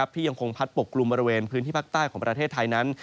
ยังคงพัดปกกลุ่มบริเวณพื้นที่ภาคใต้ของประเทศไทยนั้น